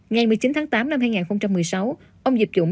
ngày một mươi chín tháng tám năm hai nghìn một mươi sáu ông diệp dũng